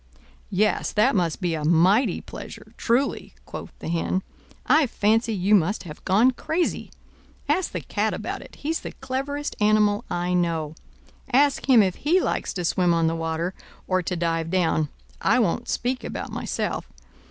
"Yes, that must be a mighty pleasure, truly," quoth the Hen. "I fancy you must have gone crazy. Ask the Cat about it—he's the cleverest animal I know—ask him if he likes to swim on the water, or to dive down: I won't speak about myself.